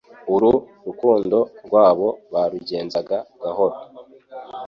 Uru rukundo rwabo barugenzaga gahoro